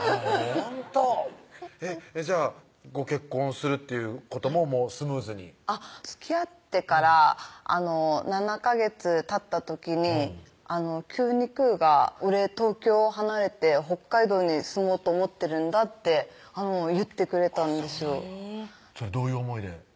ほんとじゃあご結婚するっていうこともスムーズにつきあってから７ヵ月たった時に急にくーが「俺東京離れて北海道に住もうと思ってるんだ」って言ってくれたんですよどういう思いで？